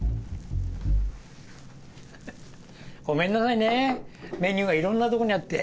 ごめんなさいねメニューがいろんなとこにあって。